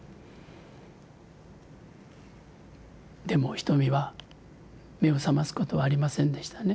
でもひとみは目を覚ますことはありませんでしたね。